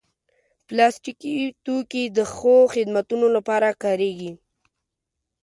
پلاستيکي توکي د ښو خدمتونو لپاره کارېږي.